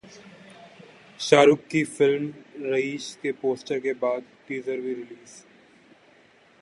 शाहरुख की फिल्म 'रईस' के पोस्टर के बाद टीजर भी रिलीज